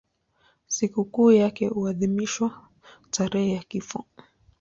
Sikukuu yake huadhimishwa tarehe ya kifo.